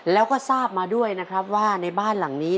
แล้วก็ทราบมาด้วยนะครับว่าในบ้านหลังนี้